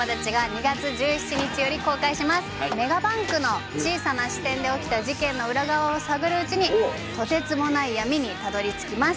メガバンクの小さな支店で起きた事件の裏側を探るうちにとてつもない闇にたどり着きます。